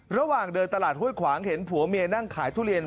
ระหว่างเดินตลาดห้วยขวางเห็นผัวเมียนั่งขายทุเรียน